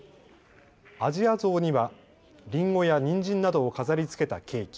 アジアゾウにはリンゴやニンジンなどを飾りつけたケーキ。